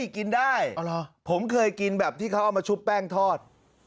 กินได้ผมเคยกินแบบที่เขาเอามาชุบแป้งทอด